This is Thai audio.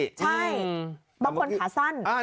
ใช่บางคนขาสั้น